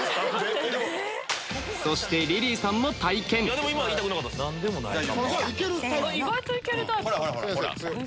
そしてリリーさんも体験せの！